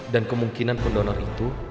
dan kemungkinan pendonor itu